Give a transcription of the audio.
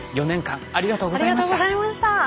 ４年間ありがとうございました。